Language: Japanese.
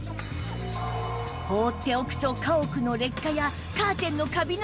放っておくと家屋の劣化やカーテンのカビの原因にも